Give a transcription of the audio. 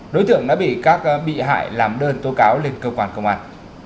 đối tượng đã bị các bị hại làm đơn tố cáo lên cơ quan công an